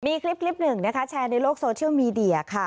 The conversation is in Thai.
มีคลิปหนึ่งนะคะแชร์ในโลกโซเชียลมีเดียค่ะ